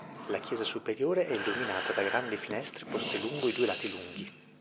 La chiesa superiore è illuminata da grandi finestre poste lungo i due lati lunghi.